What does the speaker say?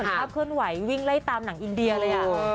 ภาพเคลื่อนไหววิ่งไล่ตามหนังอินเดียเลย